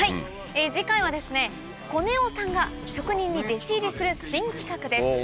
次回はコネオさんが職人に弟子入りする新企画です。